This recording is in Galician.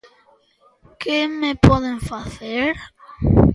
Que me poden facer?